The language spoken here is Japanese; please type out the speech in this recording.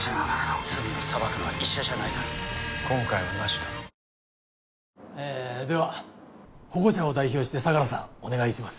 ☎それでは保護者を代表して相良さんお願いします